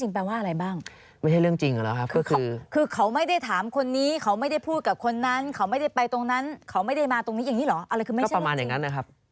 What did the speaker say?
ประมาณอย่างนั้นนะครับ